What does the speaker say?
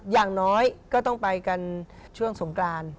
อย่างน้อยก็ต้องไปกันช่วงสงกราน